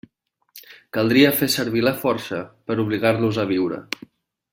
Caldria fer servir la força per a obligar-los a viure.